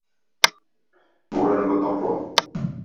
Voilà le mode d’emploi